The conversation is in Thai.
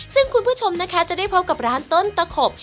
ซึ่งคุณผู้ชมนะคะจะได้พบกับร้านต้นตะขบ